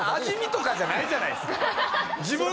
味見とかじゃないじゃないすか。